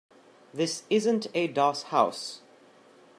This isn't a doss house.